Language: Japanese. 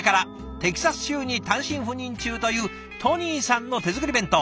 テキサス州に単身赴任中というＴＯＮＹさんの手作り弁当。